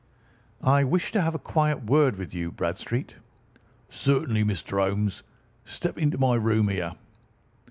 "I wish to have a quiet word with you, Bradstreet." "Certainly, Mr. Holmes. Step into my room here."